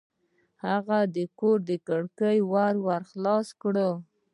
هغه د کور کړکۍ ورو خلاصه کړه.